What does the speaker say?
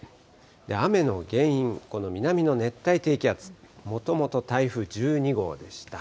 雨の原因、この南の熱帯低気圧、もともと台風１２号でした。